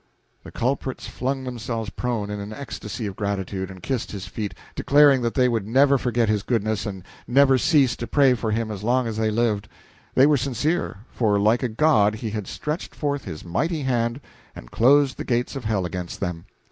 The culprits flung themselves prone, in an ecstasy of gratitude, and kissed his feet, declaring that they would never forget his goodness and never cease to pray for him as long as they lived. They were sincere, for like a god he had stretched forth his mighty hand and closed the gates of hell against them.